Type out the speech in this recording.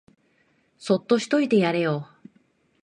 そっとしといてやれよ